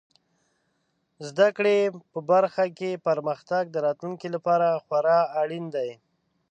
زده کړې په برخو کې پرمختګ د راتلونکي لپاره خورا اړین دی.